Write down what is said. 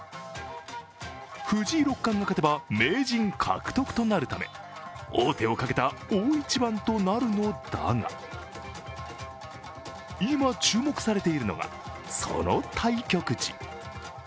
藤井六冠が勝てば名人獲得となるため王手をかけた大一番となるのだが、今、注目されているのがその対局地。